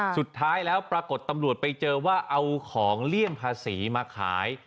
สุดท้ายแล้วปรากฏตำรวจไปเจอว่าเอาของเลี่ยงภาษีมาขาย